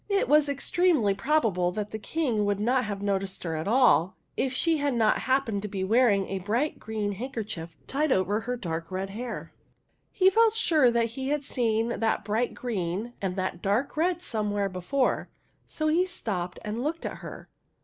It is extremely probable that the King would not have noticed her at all if she had not hap pened to be wearing a bright green hand kerchief tied over her dark red hair. He felt sure that he had seen that bright green and that dark red somewhere before, so he stopped and looked at her.